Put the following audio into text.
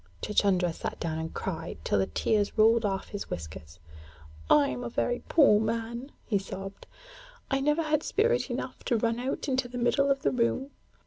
Chuchundra sat down and cried till the tears rolled off his whiskers. 'I am a very poor man,' he sobbed. 'I never had spirit enough to run out into the middle of the room.